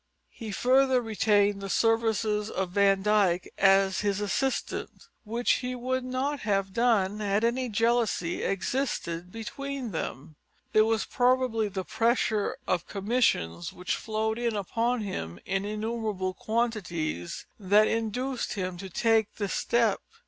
He further retained the services of Van Dyck as his assistant, which he would not have done had any jealousy existed between them. It was probably the pressure of commissions, which flowed in upon him in innumerable quantities, that induced him to take this step.